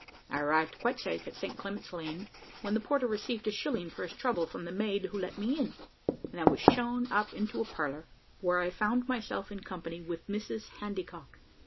I arrived quite safe at St. Clement's Lane, when the porter received a shilling for his trouble from the maid who let me in, and I was shown up into a parlour, where I found myself in company with Mrs Handycock.